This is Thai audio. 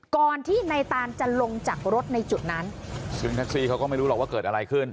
ก่อนที่ในตานจะลงจากรถในจุดนั้นซึ่งแท็กซี่เขาก็ไม่รู้หรอกว่าเกิดอะไรขึ้น